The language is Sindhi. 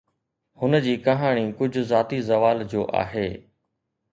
هن جي ڪهاڻي ڪجهه ذاتي زوال جو آهي